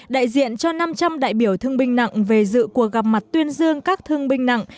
đại diện cho năm trăm linh đại biểu thương binh nặng về dự cuộc gặp mặt tuyên dương các thương binh nặng